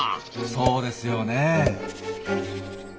そうですよねえ。